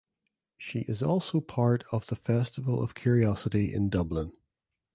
She is also part of the Festival of Curiosity in Dublin.